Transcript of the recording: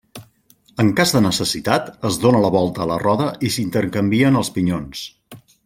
En cas de necessitat, es dóna la volta a la roda i s'intercanvien els pinyons.